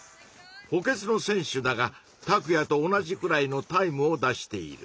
補欠の選手だがタクヤと同じくらいのタイムを出している。